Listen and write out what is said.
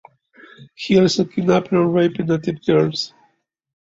He also kidnapped and raped native girls.